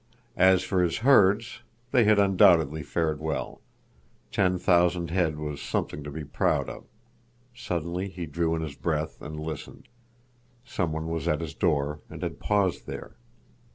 As for his herds, they had undoubtedly fared well. Ten thousand head was something to be proud of— Suddenly he drew in his breath and listened. Someone was at his door and had paused there.